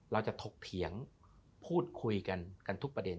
เราจะถกเถียงพูดคุยกันทุกประเด็น